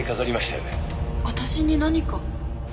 私に何か？